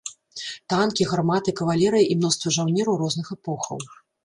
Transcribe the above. Танкі, гарматы, кавалерыя і мноства жаўнераў розных эпохаў.